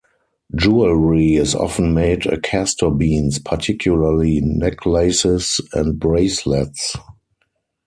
Jewelry is often made of castor beans, particularly necklaces and bracelets.